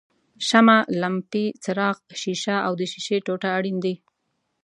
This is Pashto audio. شمع، لمپې څراغ ښيښه او د ښیښې ټوټه اړین دي.